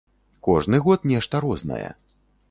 Кожны год нешта рознае.